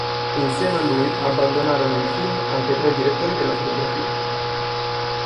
Insieme a lui abbandonarono il film anche tre direttori della fotografia.